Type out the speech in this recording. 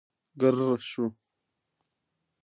ګررر شو.